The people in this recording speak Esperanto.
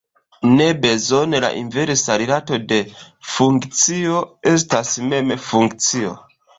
Ne bezone la inversa rilato de funkcio estas mem funkcio.